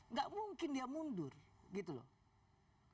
nggak mungkin dia mundur gitu loh